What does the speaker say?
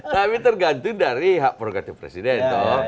tapi tergantung dari hak prerogatif presiden